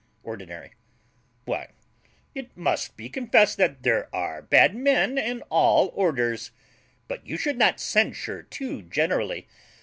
ORDINARY. Why, it must be confessed that there are bad men in all orders; but you should not censure too generally.